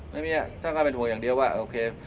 ไม่มีท่านก็เป็นห่วงอย่างเดียวว่าโอเค